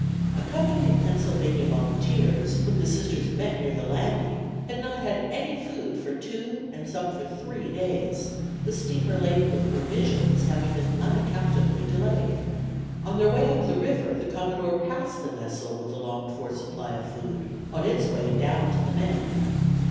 A company of Pennsylvania Volunteers, whom the Sisters met near the landing had not had any food for two, and some for three days, the steamer laden with provisions having been unaccountably delayed. On their way up the river the "Commodore" passed the vessel with the longed for supply of food on its way down to the men.